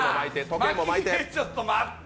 ちょっと待って。